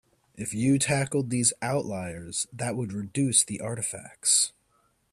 If you tackled these outliers that would reduce the artifacts.